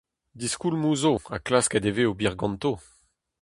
Diskoulmoù zo ha klasket e vez ober ganto.